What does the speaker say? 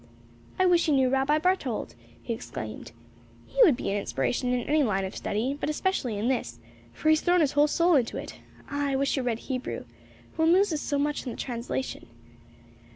"I wish you knew Rabbi Barthold," he exclaimed. "He would be an inspiration in any line of study, but especially in this, for he has thrown his whole soul into it. Ah, I wish you read Hebrew. One loses so much in the translation.